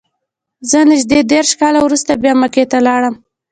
زه نږدې دېرش کاله وروسته بیا مکې ته لاړم.